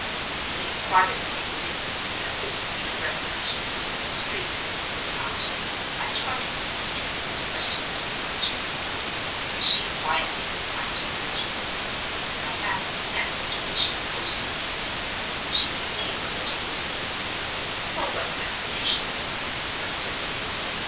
Feeling privately convinced that this new resolution pointed straight at Mrs. Lecount, I tried a few innocent questions on the subject. She quietly declined to answer them. I asked next when she proposed to leave. She would leave on the twenty eighth. For what destination? London.